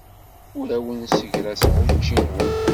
Ur awen-ssegraseɣ ucci-nwen.